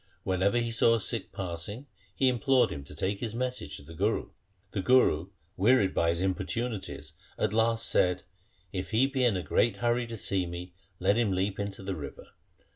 When ever he saw a Sikh passing, he implored him to take his message to the Guru. The Guru wearied by his importunities at last said, ' If he be in a great hurry to see me, let him leap into the river.'